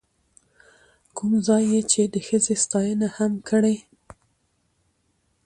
کوم ځاى يې چې د ښځې ستاينه هم کړې،،